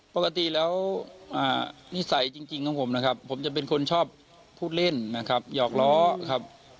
ปกติแล้วนิสัยจริงของผมนะครับผมจะเป็นคนชอบพูดเล่นนะครับหยอกล้อครับ